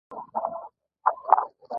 ایا زه باید خوشبین اوسم؟